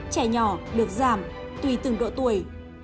trẻ nhỏ được giảm tùy từng độ tuổi